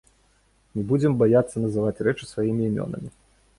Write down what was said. Не будзем баяцца называць рэчы сваімі імёнамі.